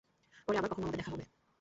পরে আবার কখনো আমাদের দেখা হবে?